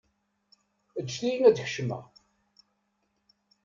Ǧǧet-iyi ad kecmeɣ.